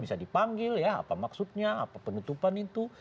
bisa dipanggil ya apa maksudnya apa penutupan itu